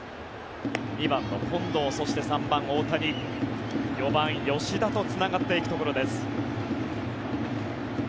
２番の近藤そして３番、大谷４番、吉田とつながっていくところです。